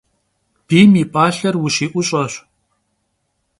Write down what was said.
Biym yi p'alher vuşı'uş'eş.